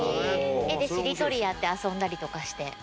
絵でしりとりやって遊んだりとかして。